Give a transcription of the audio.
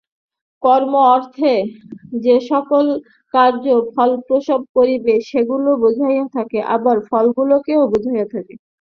কর্ম-অর্থে যে-সকল কার্য ফলপ্রসব করিবে, সেইগুলি বুঝাইয়া থাকে, আবার ফলগুলিকেও বুঝাইয়া থাকে।